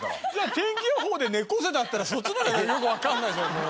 天気予報で猫背だったらそっちの方がよくわかんないじゃんもう。